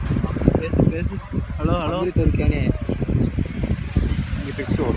She is currently represented by the model management company The Society Management.